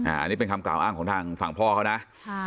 อันนี้เป็นคำกล่าวอ้างของทางฝั่งพ่อเขานะ